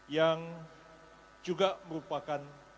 yang juga merupakan